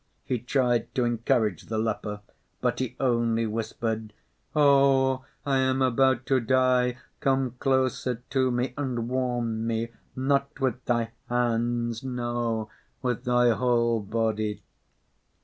He tried to encourage the leper, but he only whispered: "Oh! I am about to die! Come closer to me and warm me! Not with thy hands! No! with thy whole body."